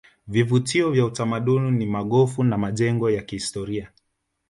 vivutio vya utamaduni ni magofu na majengo ya kihistoria